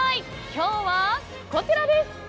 今日はこちらです。